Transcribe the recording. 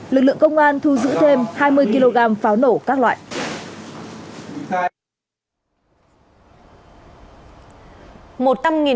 lực lượng công an thu giữ thêm hai mươi kg pháo nổ các loại